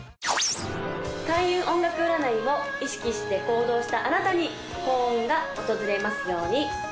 開運音楽占いを意識して行動したあなたに幸運が訪れますように！